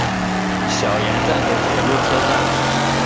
小岩站的铁路车站。